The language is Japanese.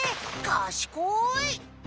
かしこい！